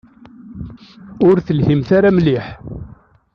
Ur telhimt ara mliḥ.